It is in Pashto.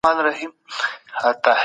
کله به نړیواله ټولنه نوی حکومت تایید کړي؟